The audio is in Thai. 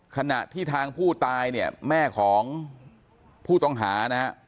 ขณะที่ทางผู้ตายเนี่ยแม่ของผู้ต้องหานะฮะ